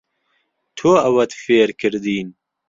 تۆ ئەوەت فێر کردین.